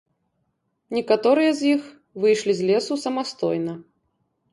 Некаторыя з іх выйшлі з лесу самастойна.